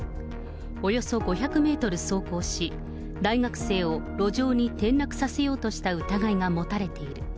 およそ５００メートル走行し、大学生を路上に転落させようとした疑いが持たれている。